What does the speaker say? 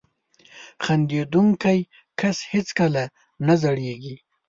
• خندېدونکی کس هیڅکله نه زړېږي.